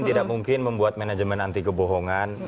tidak mungkin membuat manajemen anti kebohongan